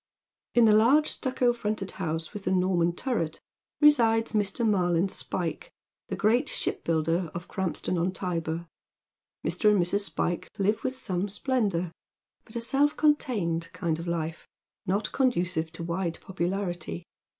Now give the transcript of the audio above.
In the large stucco fronted house with the Norman turret resides Mr. Mariin Spyke, the great shipbuilder of Krampston on Tybur. Mr. and Mrs. Spyke live with some 8plendour,_but a self contained kind of life, not conducive to wide popularity.